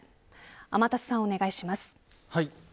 天達さん、お願いします。